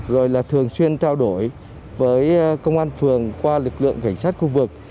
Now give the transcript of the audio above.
rồi là thường xuyên trao đổi với công an phường qua lực lượng cảnh sát khu vực